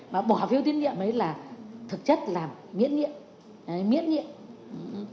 mà bỏ phiếu tín nhiệm ấy là thực chất làm miễn nhiệm